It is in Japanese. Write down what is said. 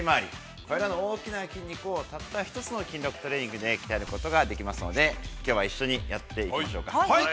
これらの大きな筋肉を、一つの筋肉トレーニングで鍛えることができますので、きょうは一緒にやっていきましょうか。